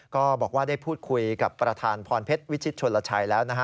ก็บอกว่าได้พูดคุยกับประธานพรเพชรวิชิตชนลชัยแล้วนะฮะ